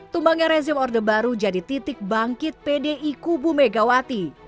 tumbangnya rezim orde baru jadi titik bangkit pdi kubu megawati